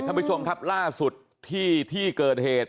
ท่านผู้ชมครับล่าสุดที่ที่เกิดเหตุ